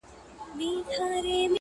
ژوند د ازموينو لړۍ ده,